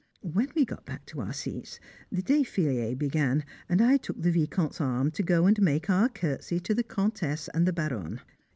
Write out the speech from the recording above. When we got back to our seats, the défilé began and I took the Vicomte's arm to go and make our curtsey to the Comtesse and the Baronne.